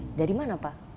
oke dari mana pak